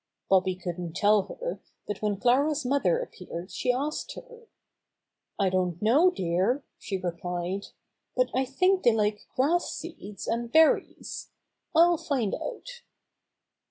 Bobby couldn't tell her, but when Clara's mother appeared she asked her. "I don't know, dear," she replied, "but I think they like grass seeds and berries. I'll find out."